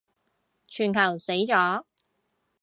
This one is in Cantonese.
全球死咗